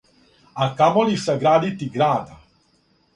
А камоли саградити града: